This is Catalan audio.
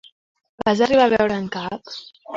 Vas arribar a veure'n cap?